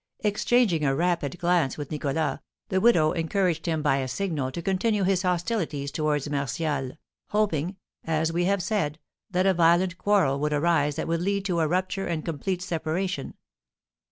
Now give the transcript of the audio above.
Exchanging a rapid glance with Nicholas, the widow encouraged him by a signal to continue his hostilities towards Martial, hoping, as we have said, that a violent quarrel would arise that would lead to a rupture and complete separation.